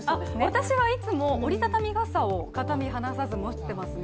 私はいつも折り畳み傘を肌身離さず持っていますね。